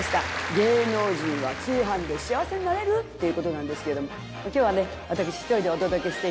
『芸能人は通販で幸せになれる⁉』っていうことなんですけども今日は私一人でお届けして。